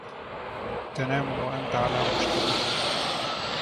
تنام وأنت على مشتبه